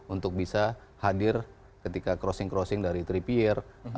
untuk bisa hadir ketika crossing crossing dari tripier